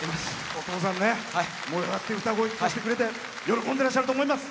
おとうさん燃え上がった歌声聴かせてくれて喜んでらっしゃると思います。